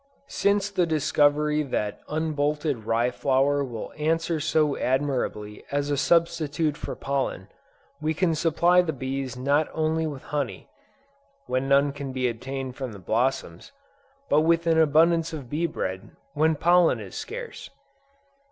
Since the discovery that unbolted rye flour will answer so admirably as a substitute for pollen, we can supply the bees not only with honey, when none can be obtained from the blossoms, but with an abundance of bee bread, when pollen is scarce.